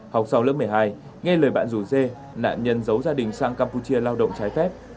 học sau lớp một mươi hai nghe lời bạn rủ dê nạn nhân giấu gia đình sang campuchia lao động trái phép